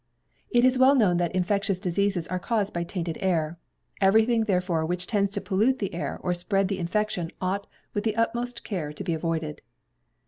It is well known that infectious diseases are caused by tainted air. Everything, therefore, which tends to pollute the air, or spread the infection, ought with the utmost care to be avoided.